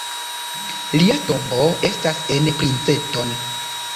Lia tombo estas en Princeton.